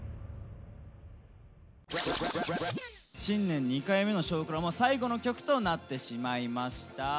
新年２回目の「少クラ」も最後の曲となってしまいました。